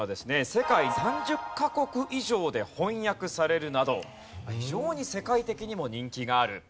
世界３０カ国以上で翻訳されるなど非常に世界的にも人気がある。